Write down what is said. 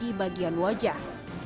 di bagian wajah